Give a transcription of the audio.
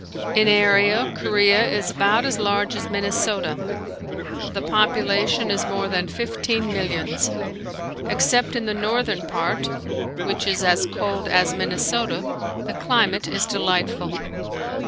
In area, Korea is about as large as Minnesota. The population is more than fifteen millions. Except in the northern part, which is as cold as Minnesota, the climate is delightful.